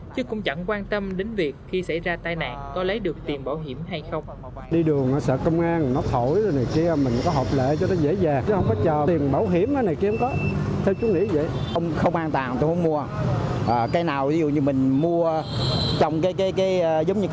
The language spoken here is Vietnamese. chứ cũng chẳng quan tâm đến việc khi xảy ra tai nạn có lấy được tiền bảo hiểm hay không